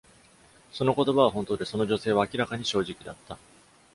その言葉は本当で、その女性は明らかに正直だった。